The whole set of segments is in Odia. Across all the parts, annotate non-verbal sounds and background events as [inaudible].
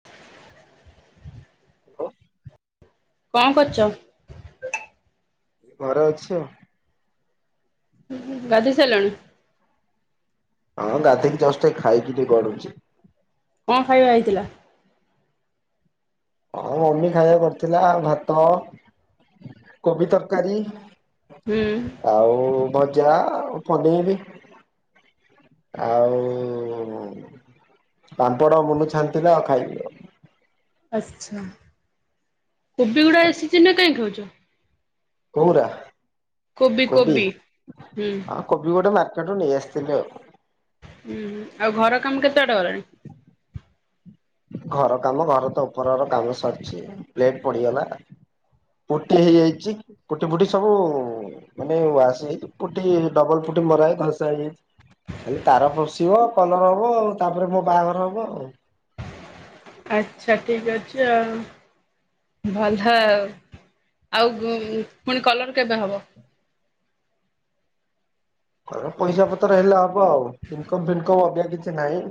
[unintelligible] କଣ କରୁଚ? ଘରେ ଅଛି ଆଉ। ହୁଁ ହୁଁ ଗାଧେଇ ସାଇଲଣି? ହଁ ଗାଧେଇକି ଜଷ୍ଟ ଏ ଖାଇକି ଟିକେ ଗଡୁଚି। କଣ ଖାଇବା ହେଇଥିଲା? ହଁ ମମି ଖାଇବା କରିଥିଲା ଭାତ କୋବି ତରକାରୀ। ହୁଁ। ଆଉ ଭଜା ଆଉ ପନିଆରି। ଆଉ ପାମ୍ପଡ ମୁନି ଛାନିଥିଲେ ଆଉ [unintelligible] ଆଛା କୋବି ଗୁଡା ଏଇ ସିଜିନ୍ ରେ କାଇଁ ଖାଉଚ? କୋଉରା କୋବି ହୁଁ ହଁ କୋବି ଗୋଟେ ମା ତାଠୁ ନେଇଆସିଥିଲୁ ଆଉ। ଉଁ ହୁଁ ଆଉ ଘର କାମ କେତେ ବାଟ ଗଲାଣି? ଘର କାମ ଘର ତ ଉପର ଘର କାମ ସରିଚି ପ୍ଲେଟ୍ ପଡିଗଲା। ପୁଟି ହେଇଯାଇଚି ପୁଟି ଫୁଟି ସବୁ ମାନେ ୱାସ୍ ହେଇକି ପୁଟି ଡବଲ ପୁଟି ମରା ହେଉକି ଘଷା ହେଇଯାଇଚି। ଖାଲି ତାର ପସିବ କଲର ହବ ଆଉ ତାପରେ ମୋ ବାହାଘର ହବ ଆଉ। ଆଚ୍ଛା ଠିକ୍ ଅଛି ଆଉ। ଭଲ ଆଉ ଘୁଁ ପୁଣି କଲର କେବେ ହବ? କଲର ପଇସା ପତ୍ର ହେଲେ ହବ ଆଉ ଇନକମ୍ ଫିନକମ୍ ଅଧିକା କିଛି ନାହିଁ।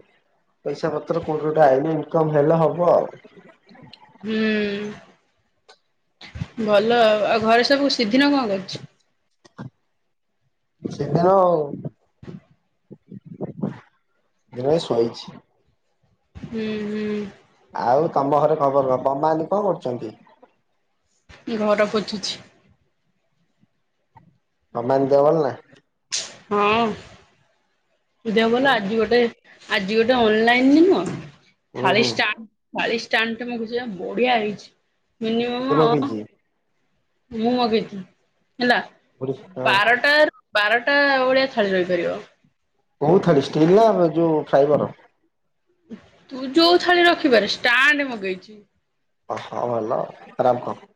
ପଇସା ପତ୍ର କୋଉଠୁ ଗୋଟେ ଆଇନେ ଇନକମ୍ ହେଲେ ହବ ଆଉ। ହୁଁ ଭଲ ଆଉ ଆଉ ଘରେ ସବୁ ସିଦ୍ଧିନ କଣ କରୁଚି? ସିଦ୍ଧିନ ଆଉ [unintelligible] ଶୋଇଚି। ହୁଁ ହୁଁ। ଆଉ ତମ ଘରେ ଖବର କହ ମାମଲି କଣ କରୁଚନ୍ତି? ଘର ପୋଚୁଛି। ମାମାଲି ଦେହ ଭଲ ନା? ହଁ। ଦେହ ଭଲ ଆଜି ଗୋଟେ ଆଜି ଗୋଟେ ଅନଲାଇନ ରେ ନୁହଁ। ହୁଁ ଥାଳି ହୁଁ ଷ୍ଟାଣ୍ଡ ଥାଳିଷ୍ଟାଣ୍ଡ ଟେ ମଗେଇଚି ପା ବଢିଆ ହେଇଚି। କିଏ ମିନିମମ ପକେଇଛି? ମୁଁ ମଗେଇଥିଲି ହେଲା ହଁ ବାରଟାରୁ ବାରଟା ଭଳିଆ ଥାଳି ରହିପାରିବ। କୋଉ ଥାଳି ଷ୍ଟିଲ୍ ନା ଯୋଉ ଫ୍ରାଇବର? ତୁ ଯୋଉ ଥାଳି ରଖିବାରେ ଷ୍ଟାଣ୍ଡ ମଗେଇଚି। ଓହୋ ଭଲ ଖରାପ୍ କଣ?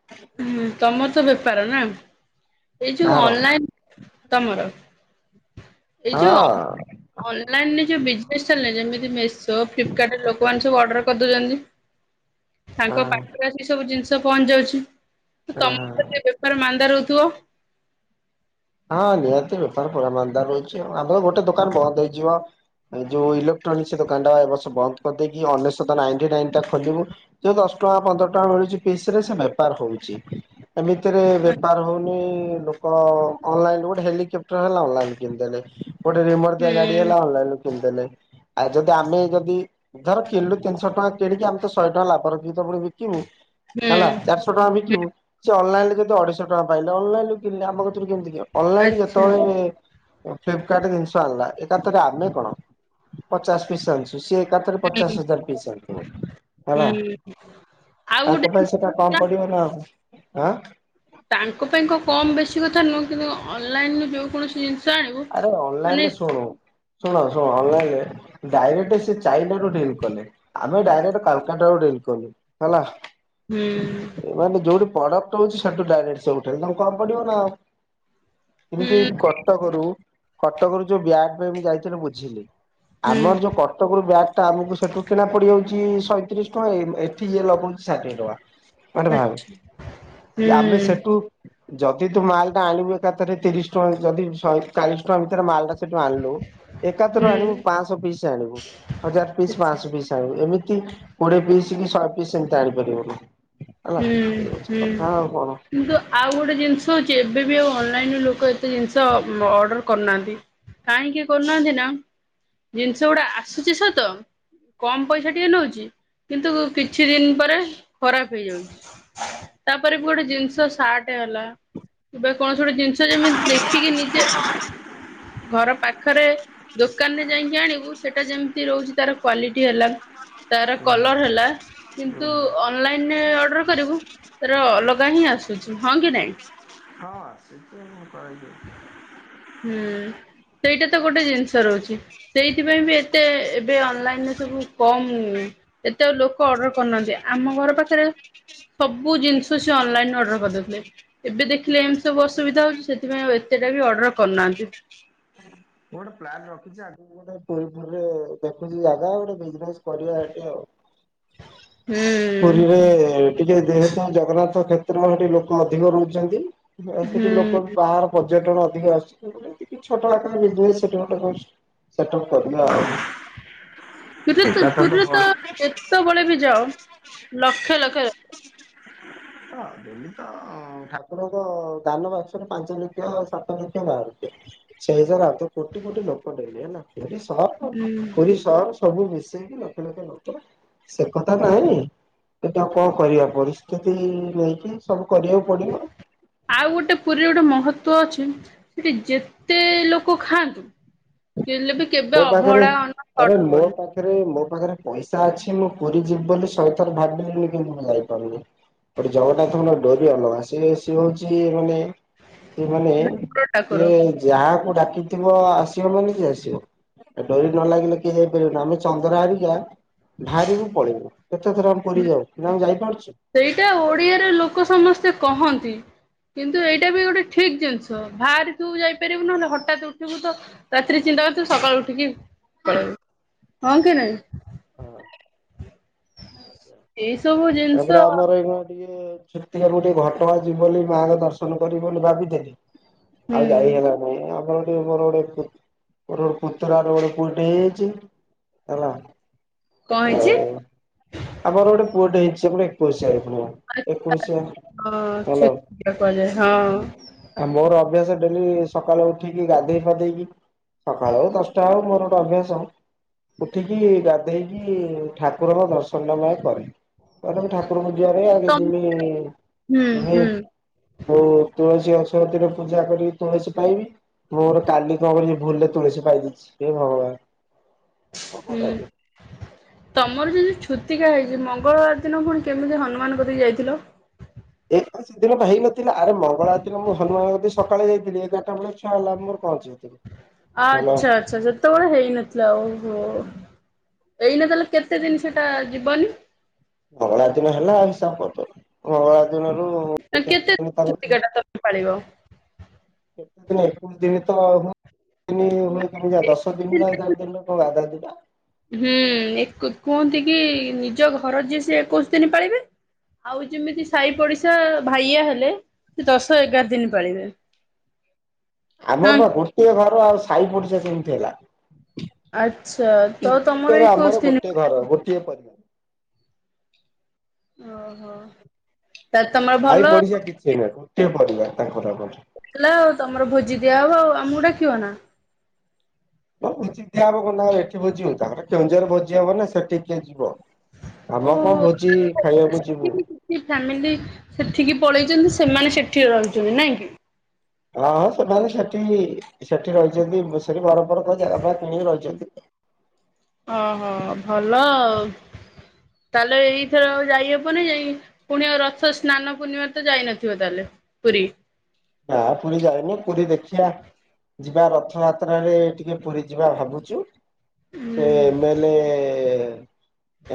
ହୁଁ ତମର ତ ବେପାର ନା ଏଇ ଯୋଉ କାହାର? ଅନଲାଇନ ତମର ଏଇ ହଁ ଯୋଉ ଅ-ଅନଲାଇନ ଯୋଉ ବିଜନେସ୍ ଚାଲେ ଯେମିତି ମେଶୋ ଫ୍ଲିପ୍ କାର୍ଡ ରେ ଲୋକମାନେ ସବୁ ଅର୍ଡର କରିଦଉଚନ୍ତି। ତାଙ୍କ ହଁ ପାଖରେ ଆସି ସବୁ ଜିନିଷ ପହଞ୍ଚି ଯାଉଛି ହଁ। ତମ ବେପାର ମାନ୍ଦା ରହୁ ତୁଅ। ହଁ ନିହାତି ବେପାର ପୁରା ମାନ୍ଦାରହୁଚି ଆଉ ଆମର ଗୋଟେ ଦୋକାନ ବନ୍ଦ ହେଇଯିବ। ଯୋଉ ଇଲେକ୍ଟ୍ରୋନିକସ ଦୋକାନ ଟା ଏ ବର୍ଷ ବନ୍ଦ କରିଦେଇକି ଅନେଶତ ନାଇଣ୍ଟ ନାଇଁନ ଟା ଖୋଲିବୁ ଯଉ ଦଶ ଦଶ ଟଙ୍କା ପନ୍ଦର ଟଙ୍କା ମିଳୁଚି ପିସ ରେ ସେ ବେପାର ହଉଚି। ଏମିତିରେ ବେପାର ହଉନି ଲୋକଅ। ଅନଲାଇନ ଗୋଟେ ହେଲିକେପ୍ଟର ହେଲା ଅନଲାଇନ କିଣିଦେଲେ। ଗୋଟେ ରିମଟଦିଆ ଗାଡି ହୁଁ ହେଲା ଅନାଲାଇନରୁ କିଣିଦେଲେ ଆ ଜଉଟା ଆମେ ଯଦି ଧର କିଣିଲୁ ତିନିଶହ ଟଙ୍କା କିଣିକି ଆମେତ ଶହେ ଟଙ୍କା ଲାଭ ରଖିକି ତ ପୁଣି ବିକିବୁ ହୁଁ ହେଲା ଚାରିଶହ ଟଙ୍କା ବିକିବୁ, ସେ ଅନଲାଇନ ରେ ଜଦି ଅଢେଇଶହ ଟଙ୍କା ପାଇଲେ ଅନଲାଇନୁ କିିଣିଲେ ଆମ କତିରୁ କେମ ଅନଲାଇନ ଆଚ୍ଛା ଯେତେବେଳେ ଫ୍ଲିପକାର୍ଟ ଜିନିଷ ଆଣିଲା ଏକାଥରେ ଆମେ କଣ ପଚାଶ ପିସ୍ ଆଣୁଚେ। ସିଏ ଏକାଥରେ ପଚାଶ ହୁଁ ହଜାର ପିସ ଆଣିଥିବ ହେଲା। ହୁଁ ଆଉ ତାଙ୍କ ଗୋଟେ ପାଇଁ ସେଟା କମ ପଡିବ ନା ଆଉ ଆଁ। ତାଙ୍କ ପାଇଁ କ କମ ବେଶୀ କଥା ନୁହଁ କିନ୍ତୁ ଅନଲାଇନ ରୁ ଯୋଉ କୌଣସି ଜିନିଷ ଆଣିବୁ ଆରେ ମାନେ ଅନଲାଇନରେ ଶୁଣୁ ଶୁଣ ଶୁଣ ଅନଲାଇନରେ ଡାଇରେକ୍ଟ ସେ ଚାଇନା ରୁ ଡିଲ୍ କଲେ ଆମେ ଡାଇରେକ୍ଟ କାଲକାଟା ରୁ ଡିଲ୍ ଠିକ କହିଲେ ହେଲା। ହୁଁଉଁ। ମାନେ ଯୋଉଠି ପ୍ରଡକ୍ଟ ହଉଚି ସେଠୁ ଡାଇରେକ୍ଟ ସବୁଠେ [inaudible] ନା ଆଉ ହୁଁ ଏମିତି କଟକରୁ, କଟକରୁ ଯୋଉ ବ୍ୟାଗ୍ ପାଇଁ ମୁଁ ଯାଇଥିଲ ବୁଝିଲି ହୁଁ ଆମର ଯୋଉ କଟକରୁ ବ୍ୟାଗ୍ଟା ଆମକୁ ସେଠୁ କିଣା ପଡିଯାଉଚି ସଇଁତିରିଶ ଟଙ୍କା, ଏଠିସିଏ ଲ ଷାଠିଏ ଟଙ୍କା। ଅଛି। କି ଆମେ ସେଠୁ ଯଦି ତୁ ମାଲ ଟା ଆଣିବୁ ଏକାଥରେ ତିରିଶ ଟଙ୍କା, ଯଦି ଶହେ ଚାଳିଶ ଟଙ୍କା ଭିତରେ ମାଲ ଟା ସେଠୁ ଆଣିଲୁ ଏକାଥର ହୁଁ ଆଣିବୁ ପାଞ୍ଚଶହ ପିସ୍ ଆଣିବୁ। ହଜାର ପିସ୍, ଆଚ୍ଛା ପାଞ୍ଚଶହ ପିସ୍ ଆଣିବୁ। ଏମିତି କୋଡିଏ ପିସ୍, କି ଶହେ ପିସ୍, ଏମତି ଆଣିପାରିବୁ ନି। ପି ପି, କିନ୍ତୁ ଆଉ ଗୋଟେ ଜିନିଷ ହଉଚି। କେବେ ବି ଆଉ ଅନଲାଇନ ରୁ ଲୋକ ଏତେ ଜିନିଷ ଅର୍ଡର କରୁନାହାନ୍ତି। କାହିଁକି କରୁନାହାନ୍ତି ନା ଜିନିଷ ଗୁଡା ଆସୁଚି ସତ କମ ପଇସା ଟିକେ ନଉଚି କିନ୍ତୁ କିଛି ଦିନ ପରେ ଖରାପ ହେଇଯାଉଚି। ତାପରେ ବି ଗୋଟେ ଜିନିଷ ସାର୍ଟ ହେଲା। ଏବେ କୌଣସି ଗୋଟେ ଜିନିଷ ଯେମିତି ଦେଖିକି ନିଜେ ଘର ପାଖରେ ଦୋକାନରେ ଯାଇକି ଆଣିବୁ ସେଟା ଯେମିତି ରହୁଛି ତାର କ୍ଵାଲିଟି ହେଲା। ତାର କଲର ହୁଁ ହେଲା କିନ୍ତୁ ଅନଲାଇନ। ସେ ଅଡର କରିବୁ ତାର ଅଲଗା ହିଁ ଆସୁଛି ହଁ, କି ନାଇଁ ହଁ, ଆସୁଚି ମୁଁ କଇଲି ହୁଁ। ସେଇଟା ତ ଗୋଟେ ଜିନିଷ ରହୁଛି, ସେଇଥିପାଇଁ ବି ଏତେ ଏବେ ଅନଲାଇନରେ ସବୁ କମ୍ ଏତେ ଆଉ ଲୋକ ଅର୍ଡର କରୁନାହାଁନ୍ତି ଆମ ଘର ପାଖରେ ସବୁ ଜିନିଷ ସେ ଅନଲାଇନରେ ଅର୍ଡର କରିଦଉଥିଲେ। ଏବେ ଦେଖିଲେ ଏମିତି ସବୁ ଅସୁବିଧା ହଉଛି ସେଥିପାଇଁ ଆଉ ଏ ଏତେଟା ବି ଅର୍ଡର କରୁନାହାଁନ୍ତି। ମୁଁ ଗୋଟେ ପ୍ଲାନ୍ ରଖିଛି। ଆଗୁକୁ ଗୋଟେ ପୁରୀ ଫୁରୀରେ ଦେଖୁଚି ଜାଗା ଗୋଟେ ବିଜନେସ କରିବା ହେଠି ଆଉ। ହୁଁ ପୁରୀରେ ଟିକେ ଯେହେତୁ ଜଗନ୍ନାଥ କ୍ଷେତ୍ର ହେଠି ଲୋକ ଅଧିକ ରହୁଛନ୍ତି। ସେଠି ହୁଁ ବି ଲୋକ ବାହାର ପର୍ଯ୍ୟଟନ ଟିକେ ଆସୁଚି କଣ କହିଲେ ଟିକେ ଛୋଟ ଆକାର ଡେ ସେଟମେଣ୍ଟ କରୁଚିସେଟପ କରିନି ଆଉ। [unintelligible] ପୁରୀରେ ତ ଏକାଥରେ ପୁରୀରେ ବଡ ତ କଥା ଯେତେବେଳେ ବି ଯାଅ ଲକ୍ଷ ଲକ୍ଷ ଯାଉ [inaudible] ହଁ ଡେଲି ତ ଠାକୁରଙ୍କ ଦାନ ବାକ୍ସରୁ ପାଞ୍ଚ ଲକ୍ଷ ସାତ ଲକ୍ଷ ବାହାରୁଚି। ସେଇଜର ଆ ତ କୋଟି କୋଟି ଲୋକଟଡେଲି ହେ ପୁରୀ ସର ହୁଁ ପୁରୀ ସହର ସବୁ ମି ଲକ୍ଷ ଲକ୍ଷେ ଲୋକ ସେ କଥା କାହିେଁନି ଏଟା କଣ କରିବା ପର। କେତି ନେଇକି ଯାଇଛି ସବୁ। ଆଉ ଗୋଟେ ପୁରୀରେ ଗୋଟେ ମହତ୍ତ୍ବ ଅଛି ସେଠି ଯେତେ ଲୋକ ଖାଆନ୍ତୁ ଥିଲେ ବି ମୋ କେବେ ପାଖରେ ଅଭଡା ଅନ୍ନ ଆରେ ସଟ ମୋ ହବନି। ପାଖରେ ମୋ ପାଖରେ ପଇସା ଅଛି ମୁଁ ପୁରୀ ଯିବି ବୋଲି ଶହେ ଥର ଭାବିଲିଣି କିନ୍ତୁ ମୁଁ ଯାଇପାରୁନି। ଗୋଟେ ଜଗନ୍ନାଥଙ୍କର ଡୋରି ଅଲଗା ସେ ସିଏ ହଉଛି ମାନେ ସେମାନେ ଠାକୁର ଠାକୁର ସେ ଯାହାକୁ ଡାକିଥିବ ଆସିବ ମାନେ ସିଏ ଆସିବ। ଡୋରି ନ ଲାଗିଲେ କି ଯାଇପାରିବେନି ଆମେ ଚନ୍ଦ୍ର ହାରିକା ଭାରିବୁ ପଳେଇବୁ କେତେ ଥର ଆମେ ପୁରୀ ଯାଉ କିନ୍ତୁ ଆମେ ଯାଇପାରୁଛୁ। ସେଇଟା ଓଡ଼ିଆର ଲୋକ ସମସ୍ତେ କହନ୍ତି। କିନ୍ତୁ ଏଇଟା ବି ଗୋଟେ ଠିକ୍ ଜିନିଷ ଭାରିଥିବୁ ଯାଇପାରିବୁନୁ ନହେଲେ ହଠାତ ଉଠିବୁ ତ ରାତିରେ ଚି ଥିବୁ ସକାଳୁ ଉଠିକି ପଳେବୁ। ହଁ କି ନାଇଁ ହଁ ଏସବୁ ଜିନିଷ ତାପରେ ଆମର ଏଇଖୁଣା ଟିକେ ଛୁତିକା ଟିକେ ଘଟଗା ଯିବି ବୋଲି ମାଆଙ୍କ ଦର୍ଶନ କରିବି ବୋଲି ଭାବିଥିଲି। ହୁଁ ଆଉ ଯାାଇ ହେଲାନାଇଁ ଆମର ମୋର ଗୋଟେ ପୁ ମୋର ଗୋଟେ ପୁତୁରା ର ଗୋଟେ ପୁଅଟିଏ ହେଇଯାଇଛି ହେଲା। କଣ ହେଇଛି? ଆଉ ଆମର ଗୋଟେ ପୁଅଟେ ହେଇଛି। [unintelligible] ଏକୋଇଶିଆ ଏକୋଇଶିଆ ହଁ ହାଲୋ। ଛୁତିକା କୁହାଯାଏ ହଁ ଆ ମୋର ଅଭ୍ୟାସ ଡେଲି ସକାଳୁ ଉଠିକି ଗାଧେଇ ପାଧେଇକି ସକାଳ ହଉ ଦଶଟା ହଉ ମୋର ଅଭ୍ୟାସ ଉଠିକି ଗାଧେଇକି ଠା କୁରଙ୍କ ଦର୍ଶନ ମୁଁ ଆଗେ କରେ ଠାକୁରଙ୍କ [unintelligible] ଆଗେ ତମ ହୁଁ ଯିମି-ଯିମି ହୁଁ ଯୋଉ ତୁଳସୀ ଅ ବତୀର ପୂଜା କରିକି ତୁଳସୀ ପାଇବି ମୋର କାଲି [unintelligible] ଭୁଲରେ ତୁଳସୀ ପାଇ ଦେଇଛି ସେ ଭଗବାନ। ହୁଁ। ତମର ଯଦି ଛୁତିକା ହେଇଛି ମଙ୍ଗଳବାର ଦିନ ପୁଣି କେମିତି ହନୁମାନ କତିକି ଯାଇଥିଲ? ଏକୋଶି ଦିନ ପା ହେଇ ନଥିଲା ଆରେ ମଙ୍ଗଳବାର ଦିନ ମୁଁ ହନୁମାନ ତିକି ସକାଳେ ଯାଇଥିଲି ଏଗାର୍ ଟା ବେଳେ ଛୁଆ ହେଲା ମୋର ପହଞ୍ଚିଥିଲି। ଭଲ ଆଚ୍ଛା ଆଚ୍ଛା ସେତେବେଳେ ହେଇନଥିଲା ଓହୋ। ଏଇନା ତାହେଲେ କେତେ ଦିନ ସେଟା ଯିବନି? ମଙ୍ଗଳବାର ଦିନ ହେଲା ହିସାବ କରୁଚ ମଙ୍ଗଳାର ଦିନ କେତେ ଛୁତିକା ଟା ତମେ ପଳିବ? ଦିନ ଏକୋଇଶି ଦିନି ତ [unintelligible] ଦଶ ଦିନ ନା ଏଗାର ଦିନି କଣ ଗାଧାନ୍ତି। ହୁଁ ଏକ କୁହନ୍ତି କି ନିଜ ଘର ଯିଏ ସିଏ ଏକୋଉଶି ଦିନି ପାଳିବେ। ଆଉ ଯେମିତି ସାହି ପଡିଶା ଭାଇଆ ହେଲେ ସେ ଦଶ ଏଗାର ଦିନି ପାଳିବେ। [unintelligible] ଆମର ହଁ ପା ଗୋଟିଏ ଘର ଆଉ ସାଇ ପଡ଼ିଶା କେମିତି ହେଲା? ଆଚ୍ଛା ତ ତମର ପିଙ୍କିକର ଏକୋଇଶି ଆମର ଦିନ ଗୋଟେ ଘର ଗୋଟିଏ ପରିବାର। ଓହୋ। ତାହେଲେ ତମର ଭଲ ସାଇ ପଡ଼ିଶା କିଛି ନାହିଁ ଗୋଟିଏ ପରିବାର ତାଙ୍କର ଆମର। ହେଲା ଆଉ ତମର ଭୋଜି ଦିଆହବ ଆଉ ଆମକୁ ଡାକିବ ନା? [inaudible] ଏଠି ଭୋଜିି ଦିଆ ହବ ତାଙ୍କର କେଉଁଝରରେ ଭୋଜି ହବ ନା ସେଠିିକି କିଏ ଯିବ? ଆମ କଣ ଭୋଜି ଓହୋ ଖାଇବାକୁ ଯିବୁ। [inaudible] ଫାମିଲି ସେଠିକି ପଳେଇଛନ୍ତି ସେ ସେମାନେ ସେଠି ରହୁଛନ୍ତି ନାଇଁ କି? ହଁ-ହଁ ସେମାନେ ସେଠି ସେଠି ରହିଛନ୍ତି ସେଠି ବର ର ଜାଗା ଫାଗା କିଣିକି ରହିଛନ୍ତି। [unintelligible] ତା ହେଲେ ଏଇଥର ଆଉ ଯାଇହବନି ଯାଇ ପୁଣି ଆଉ ରଥ ସ୍ନାନ ପୂର୍ଣ୍ଣିମା ତ ଯାଇନଥିବ ତାହେଲେ ପୁରୀ। ହଁ ପୁରୀ ଯାାଇନି ପୁରୀ ଦେଖିଆ ଯିବା ରଥଯାତ୍ରାରେ ଟିକେ ପୁରୀ ଯିବା ଭାବୁଛୁ ସେ ଏମେଲେ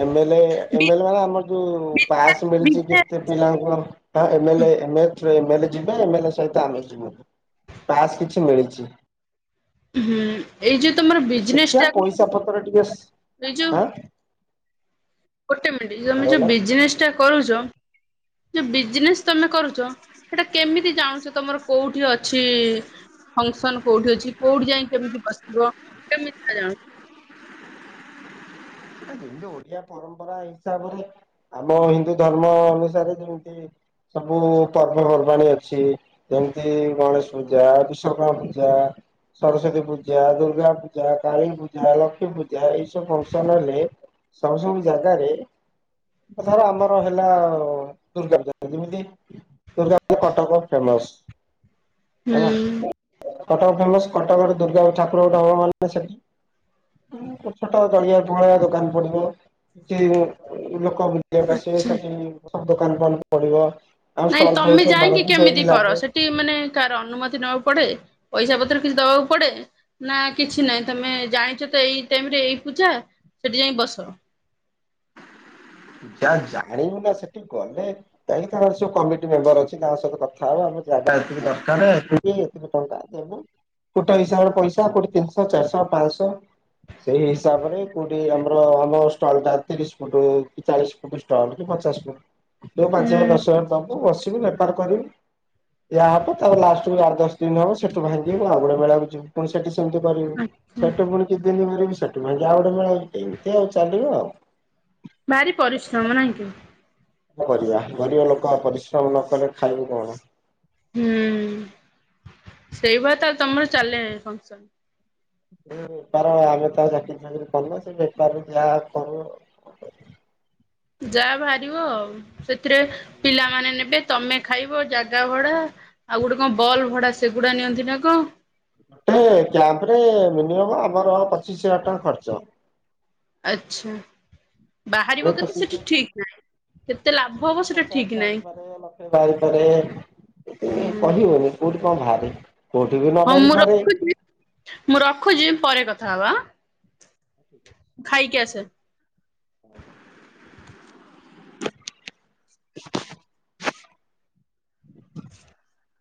ଏମେଲେ ଏମେଲେ ମାନେ ଆମର ଯୋଉ ପାସ୍ ମିଳିଚି କେତେ ପିଲାଙ୍କ ଟା ଏମେଲେ [unintelligible] ଏମେଲେ ଯିବେ ଏମେଲେ ସହିତ ଆମେ ଯିବୁ ପାସ କିଛି ମିଳିଛି। ହୁଁ ଏଇ ଯୋଉ ତମର ବିଜନେସ ଦେଖିବା ଟା ପଇସା ପତ୍ର ଟିକେ ଏଇ ଯୋଉ ଆଁ ଗୋଟେ ମିଟି କଣ ତମେ ଯୋଉ କହିଲ ବିଜନେସ ଟା କରୁଚ ଯୋଉ ବିଜିନେସ ତମେ କରୁଚ ସେଟା କେମିତି ଜାଣୁଚ ତମର କୋଉଠି ଅଛି ଫଂକ୍ସନ୍ କୋଉଠି ଅଛି କୋଉଠି ଯାଇ କେମିତି ବସିବ କେମିତି ଜାଣିବୁ। [unintelligible] ଯେମିତି ଓଡିଆ ପରମ୍ପରା ହିସାବରେ ଆମ ହିନ୍ଦୁ ଧର୍ମ ଅନୁସାରେ ଯେମିତି ସବୁ ପର୍ବପର୍ବାଣିୀ ଅଛି ଯେମିତି ଗଣେଶ ପୂଜା ବିଶ୍ଵକର୍ମା ପୂଜା। ସରସ୍ଵତୀ ପୂଜା ଦୁର୍ଗା ପୂଜା କାଳୀ ପୂଜା ଲକ୍ଷ୍ମୀ ପୂଜା ଏଇ ସବୁ ଫଂକ୍ସନ୍ ହେଲେ ସବୁ ସବୁ ଜାଗାରେ ଧର ଆମର ହେଲା ଦୁର୍ଗା ପୂଜା ଯେମିତି ଦୁର୍ଗା ପୂଜା କଟକ ଫେମସ ହେଲା। ହୁଁ କଟକ ଫେମ୍ସ୍ କଟକରେ ଦୁର୍ଗା ଠାକୁର ଗୋଟେ ହବ ମାନ ସେଠି। ଛୋଟ ଛୋଟ ଜଳିଖିଆ ଫଳି ଖିଆ ଦୋକାନ ଦୋକାନ ପଡିବ କିଛି ଲୋକ ବୁଲିବାକୁ କୁ ଆସିବେ ସେଠି ସବୁ ଦୋକାନ ପଡିବ। ପଡିବ। ଆଉ ନାଇଁ ଷ୍ଟଲ ଫଲ ତମେ ସବୁ ଯାଇକି ମାରନ୍ତି କେମିତି ଦୋଳି କର ଲାଗେ ସେଠି ମାନେ କାହାର ଅନୁମତି ନବାକୁ ପଡେ? ପଇସା ପତ୍ର କିଛି ଦବାକୁ ପଡେ ନା କିଛି ନାହିଁ ତମେ ଜାଣିଛ ତ ଏଇ ଟାଇମ ରେ ଏଇ ପୂଜା। ସେଠି ଯାଇଁ ବସ। ଯାହା ଜାଣିନୁ ନା ସେଠି ଗଲେ କାହିଁଥା ସବୁ କମିଟି ମେମ୍ବର ଅଛି ତାଙ୍କ ସହିତ କଥା ହବା ଆମେ। ଜାଗା ଯେତିକି ଦରକାର ହେତୀ ଏ ଏତିକି ଟଙ୍କା ଦବୁ ଫୁଟ ହିସାବରେ ପଇସା କୋଉଠି ତିନିଶ ଚାରିଶ ପାଆଶ ସେଇ ହିସାବରେ କୋଉଠି ଆମର ହବ ଷ୍ଟଲ ଟା ତିରିଶ ଫୁଟ। ଚାଳିଶି ଫୁଟ ଷ୍ଟଲ କି ପଚାଶ ଫୁଟ ଯୋଉ ପାଞ୍ଚ ହଜାର ହୁଁ ଦଶ ହଜାର ଦବୁ ବସିବି ବେପାର କରିବୁ। ଦିଆ ହବ ତା ଲାଷ୍ଟ କୁ ଆଠ ଦଶ ଦିନ ହବ ସେଠୁ ଭାଙ୍ଗିକି ଆଉ ଗୋଟେ ମେଳାକୁ ଯିବୁ ପୁଣି ସେଠି ସେମତି କରିବି ଆଚ୍ଛା ସେଠି ଫୁଣି କିଛିଦିନ ଘରେ ବସିବି। ସେଠୁ ଫୁଣି ଆଉ ଗୋଟେ ମେଳାକୁ ଇନ୍ତି ଆଉ ଚାଲିବ ଆଉ। ଭାରି ପରିଶ୍ରମ ନାହିଁ କି କଣ କରିବା ଗରିବ ଲୋକ ପରିଶ୍ରମ ନ କଲେ ଖାଇବୁ କଣ ହୁଁ ସେଇ ଭଳିଆ ତାହେଲେ ତମର ଚାଲେ ଫଂକ୍ସନ। ବେପାର ଆମେ ତ ଚାକିରି ଫାକିରି କରୁନୁ ସେଇ ବେପାରରୁ ଯାହା କରୁ ଆଉ। ଯାହା ବାହାରିବ ଆଉ ସେଥିରେ ପିଲାମାନେ ନେବେ। ତମେ ଖାଇବ ଜାଗା ଭଡା ଆଉ ଗୋଟେ କଣ ବଲ୍ ଭଡା ସେଗୁଡା ନିଅନ୍ତି ନା ଙ୍କ ଗୋଟେ କ୍ୟାମ୍ପ ରେ ମିନିମମ ଆମର ପଚିଶ ହଜାର ଟଙ୍କା ଖର୍ଚ୍ଚ। ଆଛା କୋଡ଼ିଏ ବାହାରିବ କେତେ ପଚିଶ ସେଠି ହଜାର ଟଙ୍କା ଠିକ ନାଇ। ପଚାଶ ବାହାରି ପରେ ଲକ୍ଷେ ବାହାରି ପାରେ। ସେମିତି ହୁଁ କହି ହୁଏନି କୋଉଠି କଣ ବାହାରେ କୋଉଠି ବି ନ ହଁ ମୁଁ ବାହାରିପାରେ। ରଖୁଛି ମୁଁ ରଖୁଚି ପରେ କଥା ହବା ଆଁ। ଖାଇକି ଆସେ। [inaudible] [unintelligible]